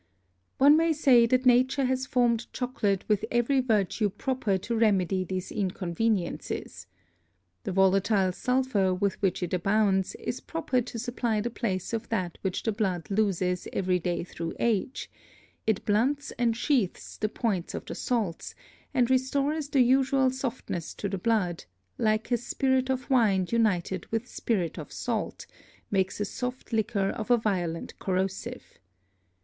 One may say that Nature has formed Chocolate with every Vertue proper to remedy these Inconveniences. The volatile Sulphur with which it abounds, is proper to supply the Place of that which the Blood loses every day through Age, it blunts and sheaths the Points of the Salts, and restores the usual Softness to the Blood, like as Spirit of Wine united with Spirit of Salt, makes a soft Liquor of a violent Corrosive.